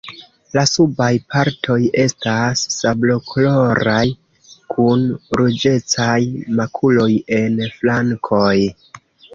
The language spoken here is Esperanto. La subaj partoj estas sablokoloraj kun ruĝecaj makuloj en flankoj.